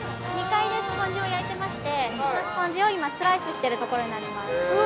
◆２階でスポンジを焼いてましてそのスポンジを今スライスしているところになります。